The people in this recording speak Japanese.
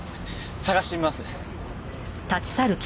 捜してみます。